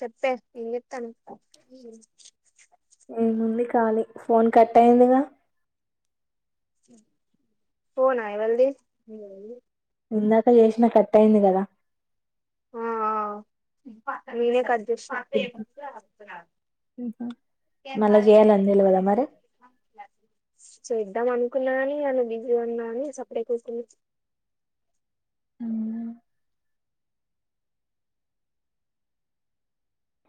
చెప్పే ఇ చెస్తాను కాలి ఫోన్ కట్ అయిందిగా ఫోనా ఎవల్ది ఇందాక చేసినా కట్ అయింది కదా ఆ నేనే కట్ చేసిన మళ్ళా చేయాలని తెల్వదా మరి [unintelligible] సో ఇద్దాం అనుకున్నా కాని అని బిజీగా ఉన్నా అని సపరేట్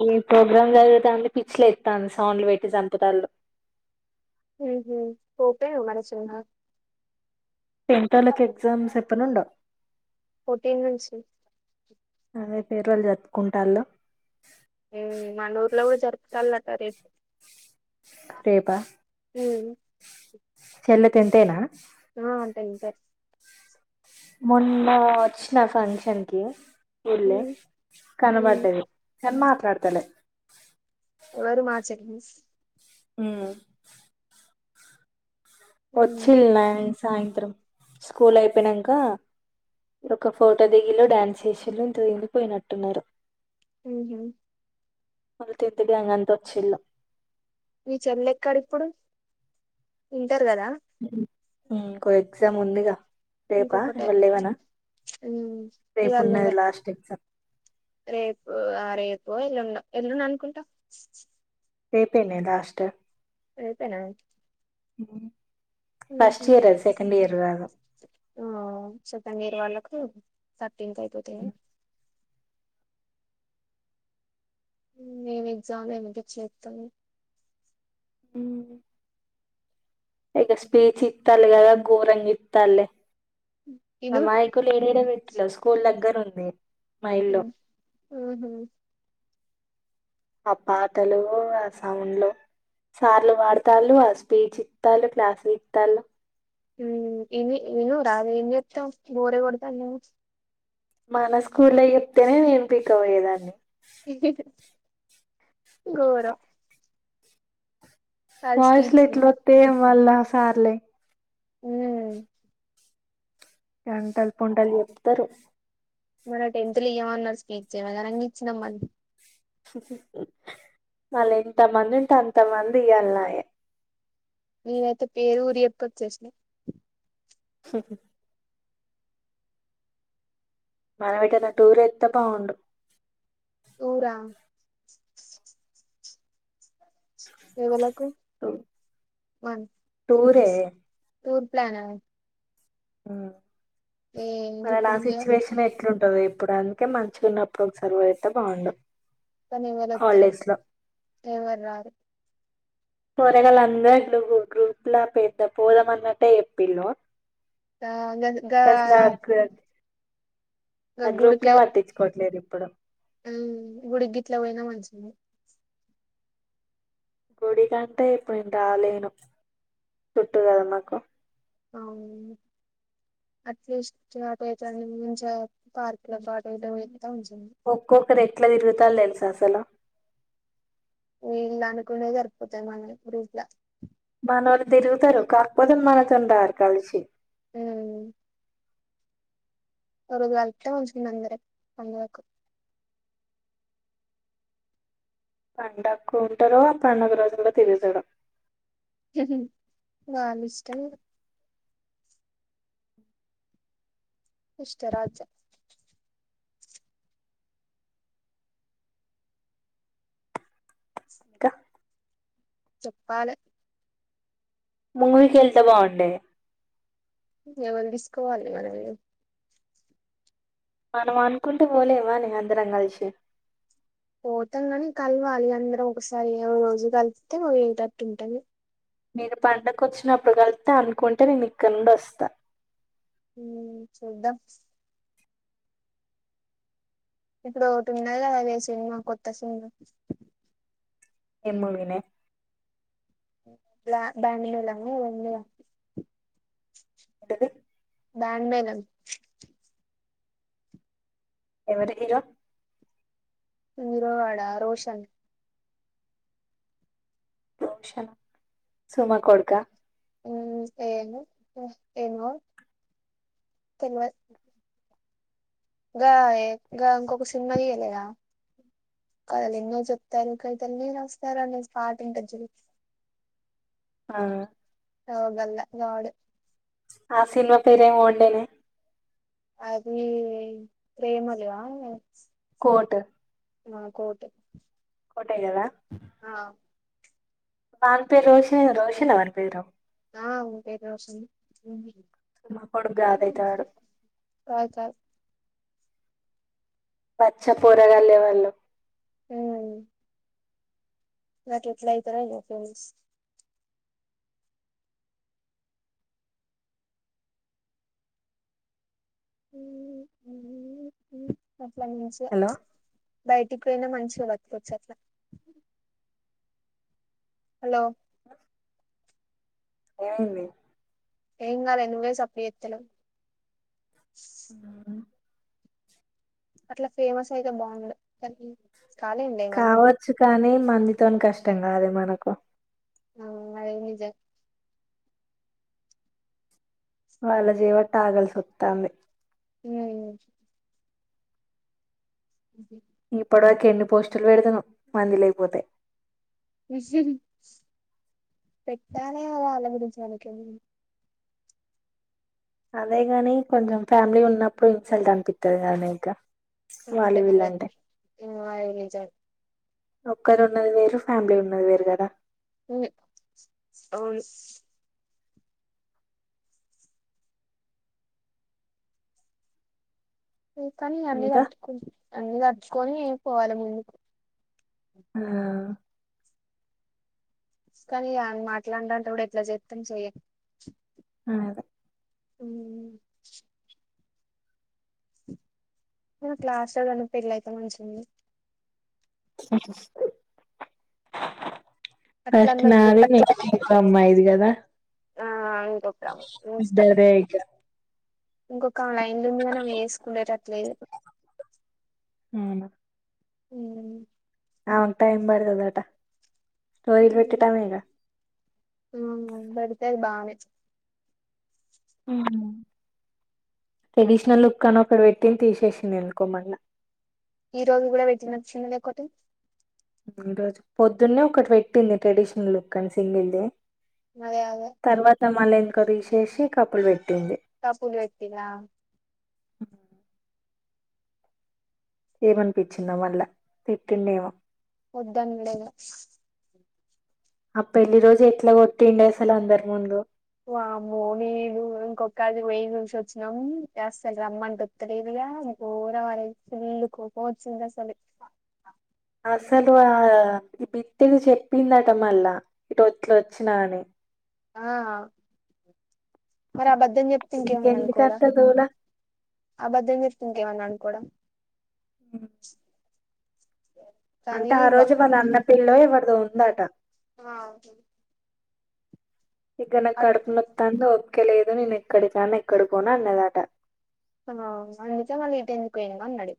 ఏ ప్రోగ్రామ్ జరుగుత అంది పిచి ఎస్తాను సౌండ్లు పెట్టి చంపుతా పోప మరి చె టెన్ తాలకు ఎగ్జామ్స్ ఎప్పనుండ స ఫైర్వాల్ జరుపుకుంటాళు మన ఊర్లో కూడా జరుపుతలట రేపు రేపా చెల్ల టెన్త్ ఆ నా ఆ టెన్త్ ఆ మొన్న వచ్చిన ఫంక్షన్ కి చుడ్లే కనబడ్డది కానీ మాట్లాడతలే ఎవరు మా చెలిస్ ఉ వచ్చి న సాయంత్రం స్కూల్ అయిపోయినాక ఒక ఫోటో దిగిలో డ్యాన్స్ చేషలు తొరిగిపోయినట్టున్నారు ఉహు వాళ్ళు టెన్త్ గ్యాంగ్ అంత వచ్చిలు మీ చెల్లెక్కడ ఇప్పుడు ఇంటర్ కదా కో ఎగ్జామ్ ఉందిగా రేపా ఇంకొకటే ఇవ్వలేవనా రేపు ఇవాళ నువ్వే ఉన్నది లాస్ట్ ఎ రేపు ఆ రేపు ఎల్లుండ ఎల్లుండ అనుకుంటా రేపేనే లాస్ట్ రేపేన ఫస్ట్ ఇయర్ అ సెకండ్ ఇయర్ రాదు ఆ సెకండ్ ఇయర్ వాళ్ళకు థర్టీన్త్ అయిపోతంది ఏం ఎగ్జామ్లో ఏమో పిచిలేస్తంది ఉ ఇక స్పీచ్ ఇత్త అల ఎద గఊరంగ ఇత్త అలి ఇను అమాయకు లేడీడ పెట్టిలు స్కూల్ దగ్గర ఉంది మా ఇల్లు ఉహు ఆ పాటలు ఆ సౌండ్లు సార్లు వాడతళ్ళ ఆల్ స్పీచ్ ఇత్తలు క్లాసులు ఇతాళ్ళ ఊ ఇని ఇని రాది ఏం ఎత్తం బోరె కొడుతన్నే మన స్కూల్లో చెప్తేనే నేం పీక ఒయేదాన్ని గోరం వాయిస్ లు స్పీచ్లు ఎట్ల వతే మళ్ల్ళ సార్లే ఊ గంటల్ పొంటల్ చెప్తరు మన టెన్త్ ల ఇయ్వమన్నారు స్పీచ్ ఏమనగని ఇచ్చినమది మళ్ళ ఎంత మంది ఉంటే అంత మంది ఇయ్యళన్నాయే నేనైతే పేరు ఊరి ఎప్పు వచ్చేసినయ్ స మనం ఎటన టూర్ ఎతె బాగుండు టురా ఎవలకు అవు వన్ ఊరే టూర్ ప్లానా ఏ మరి నా ఇప్పుడు సిచ్యువేషన్ ఎట్లుంటది ఇప్పుడు అందుకే మంచిగున్నప్పుడు ఒకసర్వ్ అయితే బాగుండు పనేవ్వల్లోత్తరు హాలిడేస్ లో ఎవ్వరు రారు కూరగాయల అంగట్లు గ్రూప్లా పెద్ద పోదామన్నట్టే చెప్పిళ్ళు గా గా గా పసరాక్ [unintelligible] గా ఆ గ్రూప్ నే పట్టించుకోవట్లేదు ఇప్పుడు ఉమ్మ్ గుడి గిట్లా పోయిన మంచిగున్నాయ్ గుడి కంటే ఇప్పుడు నేను రాలేను చుట్టు కదా మాకు అవును అట్లిస్ట్ చేతైతేఅందించ పార్క్ లో పాడైటమే ఒక్కొక్కరు ఎట్లా తిరుగుతారో తెలుసా అసల వీళ్ళ అనుకొనే సరిపోతాది మనం ఎప్పుడూ ఇట్ల మనోళ్ళు తిరుగుతారు కాకపోతే మనతో ఉండారు కలిసి ఉం ఒక రోజు గాలిస్తే మంచి గుంది అందరకి అందరకు పండక్కు ఉంటరో పండుగ రోజుల్లో తిరిగిచూడరు వాళ్ళిష్టం ఇష్ట రాజ్య ఇంకా చెప్పాలె ముంగవికిె వెళ్తే బాగుండే అవళ్ తీసుకోవాలి మనల్ని మనం అనుకుంటూ పోలేవా ని అందరం కలిసి పోతాం గని కలవాలి అందరం ఒకసారి ఏ రోజు కలిపితే మ ఏటర్ట్ ఉంటుంది మీరు పండక్క వచ్చినప్పుడు కలిస్తే అనుకుంటే నేను ఇక్కడ నుండి వస్తా మ్ చూద్దాం ఇప్పుడు ఒటి ఉంది కదా అథాయ్ సినిమా కొత్త సినిమా ఎమ్ము విిన బ్యాం బెండ్మెలమో అది ఉంది గ ఏంటిది బ్యాన్మేలం ఎవరూ హీరో హీరోవాడ రోషన్ షణ సుమ కొడుకా మ్ ఏమో మ్ ఏమో తిన్ల గా ఏ గ ఇంకొక సినిమా తీయలేదా కథలు ఎన్నో చెప్తారు కవతలు ని వస్తారు అనేది పాట ఉంటది చూడు ఆ అగల్ల ఇగ వాడు ఆ సినిమ పేరు ఏమో ఉంటది అది ప్రేమలుగా కోట్ ఆ కోట కోటేగధ వాణి పేరు రోషన్ రోషన్ ఆ వాణి పేరు ఆ ఉంటేరోషంది ఉంది సుమ కొడుకు కాదైతే వాడు తాగుత పచ్చ పోరగాళే వాళ్ళు ఊ నాకెట్లయితరో ఇగ ఫ్రెండ్స్ అట్ల నిమ్స్ గా హలో ప్చ్ బైట్ ఇప్పుడైనా మంచిగ వటుకోవచ్చు అట్లా హలో ఏమైంది ఏం గాలే నువ్వే సప్పుడ్ ఏతలేవ్ ఆ అట్లా ఫేమస్ అయితే బాగుండు కనీ కావచ్చు కానీ మందితోని కష్టం కాదే మనకు అవ్ అదే నిజ వాళ్ళ జెవట్టి ఆగల్ సతంది ఊ ఊ ఓకే ఇప్పుడ దాక ఎన్ని పోస్టులు పెడతనో మంది లేపోతే పెట్టాలే వాళ్ళ గురుంచి మనకెందుకు అదేగాని కొంచెం ఫ్యామిలీ ఉన్నప్పుడు ఇన్సెల్ట్ అనిపితది కదనె ఇంకా వాళ్ళు అంతే అదే వీళ్ళంటే ఊ అది నిజం ఒక్కరు ఉన్నది వేరు ఫ్యామిలీ ఉన్నది వేరు కదా ఊ అవును ఊ కానీ అన్న ఇంకా తటుకు అన్ని తట్టుకుని పోవాలి ముందుకు ఆ కానీ ఆ మాట్లాడడానికి కూడా ఎట్లా చేతం చెయం అ అదే ఊ ఊ మన క్లాస్ల ఎవరిదన్న పెళ్ళ అయితే మంచిగుండు అట్లా ఫస్ట్ అనొద్దు నాదే నెస్ట్ నీ అమ్మాయిదిగదా ఆ ఇంకొక గదే ఇక ఇంకొకమే లైన్లుంది గానీ ఆమె చేసుకునేటట్లు లేదు నేనా ఊ ఆవును టైమ్ బడ్తడ్ రోహిత్ వెట్టటామేనా ఆ బెడతది బానే ఆ ట్రెడిషనల్ లుక్ అని ఒక పెట్టి తీసేసింది అనుకో మళ్ళా. ఈ రోజు కూడా వెజ్ నచ్చింద నికోటి రోజు పొద్దున్నే ఒకటి పెట్టింది ట్రెడిషనల్ లుక్ అని సింగిల్ది అదే అదే మళ్లీ వెనక్కి తీసేసి చేేసి కపులు పెట్ కప్పులు పెట్టిర్ర హ ఏమనిపించిందో మళ్ళా, తిట్టిండేమో. ఒద్దండేమో ఆ పెళ్లి రోజు ఎట్లా కొట్టిండే అసలు అందరు ముందు. వామ్మో నేను ఇంకొక అది పోయి చూసి వచ్చినాం అసలు రమ్మంటె వస్తలేదు. పో కూర పడేస్తే. ఫుల్ కోపం వచ్చింది. అసలు అసలు ఆ ఈ బితిది చెప్పిందట మళ్ళా ఈ రోట్లు వచ్చినాఅని. ఆ మరి అ బద్. ఒద్దని చెప్తే ఇంకేమన్నా అనుకోడా ఇంకెందుకంత దూల ఆబద్ధం చెప్తే ఇంకేమన్నా అనుకోడా? ఉ అంటే కానీ ఆ బ రోజు వాళ్ళ అన్న పెళ్లో ఎవరిదో ఉందట. మ్ ఇక నా కడుపు నత్తాంది ఓపిక లేదు నేను ఎక్కడి రాను ఎక్కడి పోను అన్నదట. ఆ అందుకే మళ్ళీ ఇటు ఎందుకుపోయినావు అన్నాడు.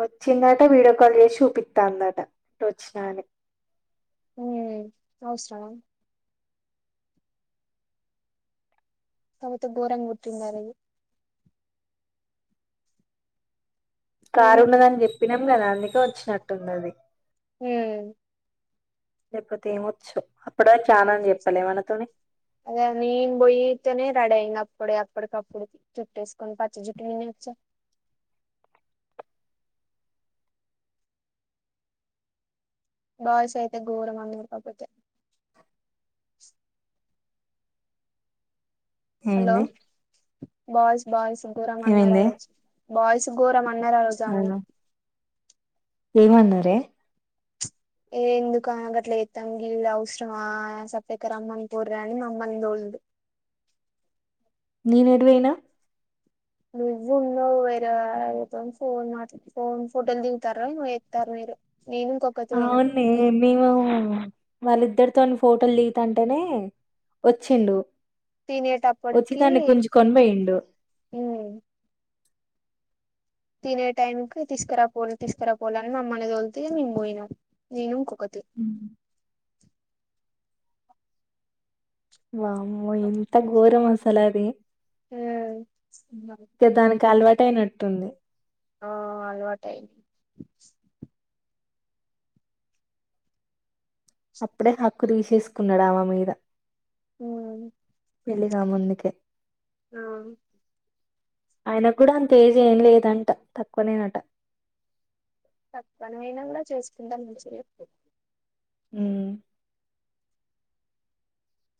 వచ్చిందట వీడియో కాల్ చేసి చూపిస్తాందట ఆ వచ్చినాని. ఉ అవసరమా. ఎంత గోరంగా కుట్టిందా అని నేను కారు పోయి ఉన్నదని చెప్పినాం కదా అందుకే వచ్చినట్టున్నది. హ్మ్. లేపోతే ఏమొచ్చో అప్పుడు దాకా చానానే చెప్పలే మనతోనే. అదే నే బోయితేనే రెండయ్యింది. అప్పుడ అప్పుడ కప్పుడు జుట్టేస్కుని పచ్చి జుట్ వేసుకొని. బాయ్స్ అయితే ఘోరం అందకపోతే హలో! ఏంది బాయ్స్ బాయ్స్ గోరం అన్నారు ఆ ఏమైందే రోజు బాయ్స్ గోరం అన్నారా రోజు ఆమెని. అవును ఏమన్నారే? ఏ ఎందుకు గట్లా చేస్తోంది, అవసరమా సప్పడి చేయక రమ్మని పోరగాన్ని మమ్మల్ని దోల్. అంది [unintelligible] నేనుటుపోయినా? నువ్వు ఉండవ్, వేరే వాళ్ళతోని ఫోన్ మాట్లాడ ఫోన్ ఫోటోలు దిగుతారు నువ్వు ఎక్తారు మీరు. నేను ఇంకొకతి పోయినం అవునే మేము. వాళ్ళిద్దరితోను ఫోటోలు దిగుతుంటేనే వచ్చిండు. వచ్చి తినేటప్పటికి తన్ గుంజుకొని పోయిండు. ఉమ్ తినే టైం కి తీసుకురాపో తీసుకురా పోల్లి అంటే మమ్మల్ని తోలితే మేము పోయినామ్. నేను ఇంకొకటి. వామ్మో! ఎంత ఘోరము అసలది. ఇకా దానికి అలవాటు అయినట్టుంది. ఆ అలవాటే. అప్పుడే, హక్కు తీసేసుకున్నాడామె మీద. హ్మ్. వెళ్ళిరా ముందుకే. హు ఆయన కూడా అంతేజీ ఏం లేదంట తక్కువనేనట తక్కునైనా కూడా చేసుకుంటను మంచిగ చెప్పు ఉమ్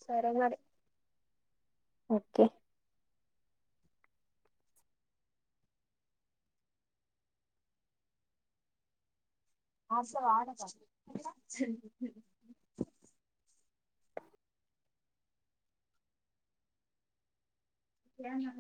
సరే మరి ఓకే [inaudible] ఏం అనాలే